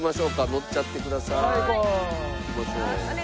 乗っちゃってください。